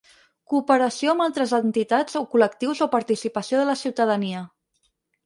Cooperació amb altres entitats o col·lectius o participació de la ciutadania.